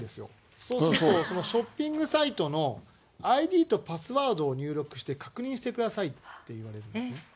そうすると、そのショッピングサイトのＩＤとパスワードを入力して、確認してくださいって言われるんですね。